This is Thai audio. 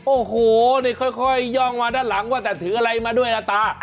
โอ้โหนี่ค่อยย่องมาด้านหลังว่าแต่ถืออะไรมาด้วยล่ะตา